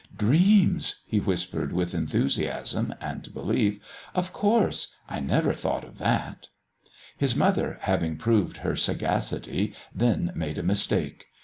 "Dreams!" he whispered with enthusiasm and belief; "of course! I never thought of that." His mother, having proved her sagacity, then made a mistake.